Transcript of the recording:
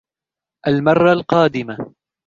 المرة القادمة.